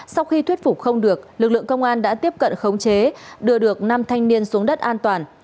sau khi thuyết phục không được lực lượng công an đã tiếp cận khống chế đưa được năm thanh niên xuống đất an toàn